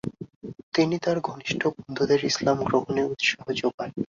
তিনি তার ঘনিষ্ঠ বন্ধুদের ইসলাম গ্রহণে উৎসাহ যোগান।